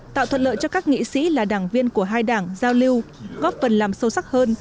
tạo thuận lợi cho các nghị sĩ là đảng viên của hai đảng giao lưu góp phần làm sâu sắc hơn